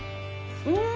うん！